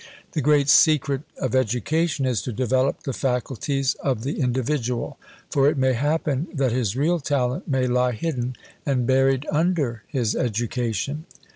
The great secret of education is to develope the faculties of the individual; for it may happen that his real talent may lie hidden and buried under his education.